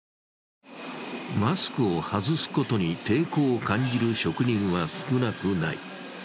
マスクを外すことに抵抗を感じる職人は少なくない。